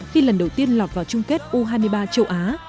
khi lần đầu tiên lọt vào chung kết u hai mươi ba châu á